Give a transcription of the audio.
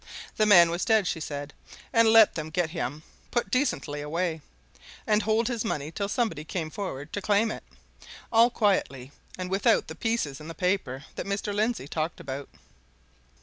The man was dead, she said, and let them get him put decently away, and hold his money till somebody came forward to claim it all quietly and without the pieces in the paper that Mr. Lindsey talked about.